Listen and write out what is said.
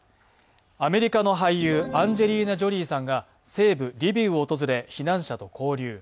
アメリカの俳優、アンジェリーナ・ジョリーさんが西部リビウを訪れ避難者と交流。